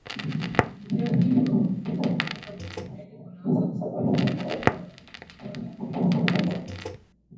Uvujaji wa mafuta kutoka kwenye meli kunaweza kusababisha matumbawe kuwa na kifo cha tishu